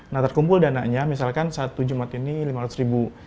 nah terkumpul dananya misalkan satu jumat ini lima ratus ribu